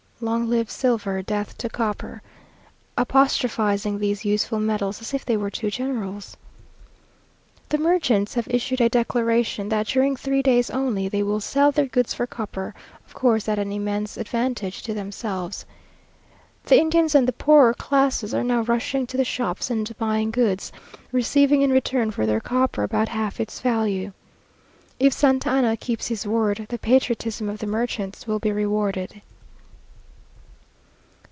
(Long live silver! Death to copper!) apostrophizing these useful metals, as if they were two generals. The merchants have issued a declaration, that during three days only, they will sell their goods for copper (of course at an immense advantage to themselves). The Indians and the poorer classes are now rushing to the shops, and buying goods, receiving in return for their copper about half its value. If Santa Anna keeps his word, the patriotism of the merchants will be rewarded.